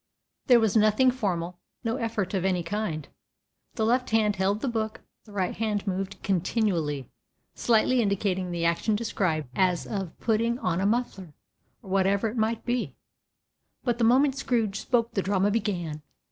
There was nothing formal, no effort of any kind. The left hand held the book, the right hand moved continually, slightly indicating the action described, as of putting on a muffler, or whatever it might be. But the moment Scrooge spoke the drama began.